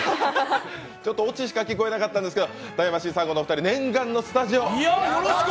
ちょっとオチしか聞こえなかったんですけどタイムマシーン３号のお二人念願のスタジオ。